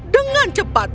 dengan mencari tanah